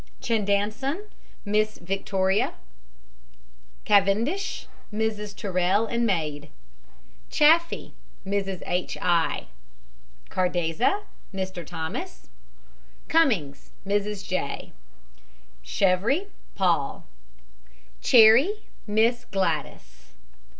CHANDANSON, MISS VICTOTRINE. CAVENDISH, MRS. TURRELL, and maid. CHAFEE, MRS. H. I. CARDEZA, MR. THOMAS. CUMMINGS, MRS. J. CHEVRE, PAUL. CHERRY, MISS GLADYS.